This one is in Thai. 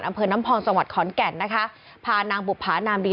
อำเภอน้ำพองจังหวัดขอนแก่นนะคะพานางบุภานามดี